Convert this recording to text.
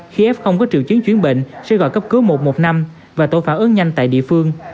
khi f có triệu chứng chuyến bệnh sẽ gọi cấp cứu một trăm một mươi năm và tổ phản ứng nhanh tại địa phương